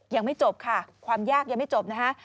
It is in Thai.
ยังไม่จบค่ะความยากยังไม่จบนะฮะ